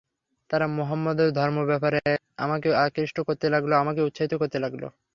তারা মুহাম্মাদের ধর্মের ব্যাপারে আমাকে আকৃষ্ট করতে লাগল, আমাকে উৎসাহিত করতে লাগল।